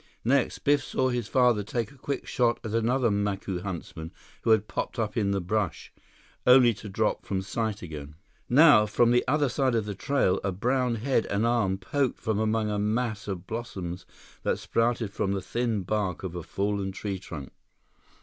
Next, Biff saw his father take a quick shot at another Macu huntsman who had popped up in the brush, only to drop from sight again. Now, from the other side of the trail, a brown head and arm poked from among a mass of blossoms that sprouted from the thin bark of a fallen tree trunk.